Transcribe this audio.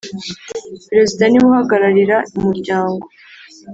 Perezida ni we uhagararira umuryango